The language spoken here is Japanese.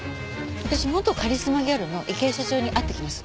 私元カリスマギャルの池井社長に会ってきます。